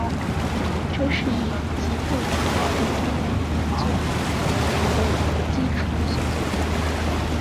这是以吉卜林的著名原作为基础所做的动画。